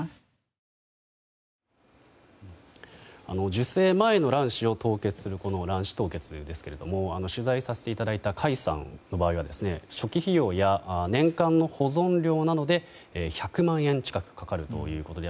受精前の卵子を凍結するこの卵子凍結ですけども取材させていただいた甲斐さんの場合は初期費用や年間の保存料などで１００万円近くかかるということで